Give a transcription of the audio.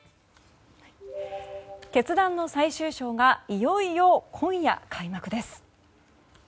決断の最終章がいよいよ今夜、開幕です。